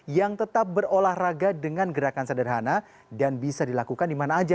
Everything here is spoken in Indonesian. yang tetap berolahraga dengan gerakan sederhana dan bisa dilakukan dimana aja